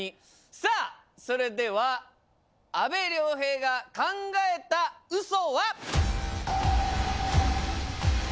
さあそれでは阿部亮平が考えた嘘は？